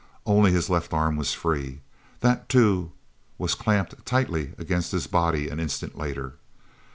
Only his left arm was free. That, too, was clamped tightly against his body an instant later.